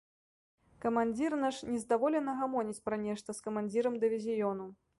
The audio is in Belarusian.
Камандзір наш нездаволена гамоніць пра нешта з камандзірам дывізіёну.